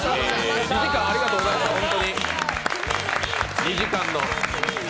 ２時間ありがとうございました。